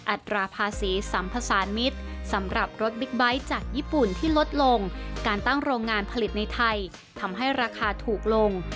อัตราภาษีสัมผสานมิตรสำหรับรถบิ๊กไบท์จากญี่ปุ่นที่ลดลงการตั้งโรงงานผลิตในไทยทำให้ราคาถูกลง